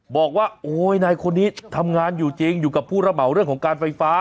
บอกว่าโอ้ยนายคนนี้ทำงานอยู่จริงอยู่กับผู้ระเหมาเรื่องของการไฟฟ้า